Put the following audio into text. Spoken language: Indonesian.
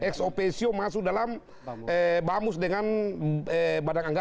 x opecio masuk dalam bamus dengan badang angga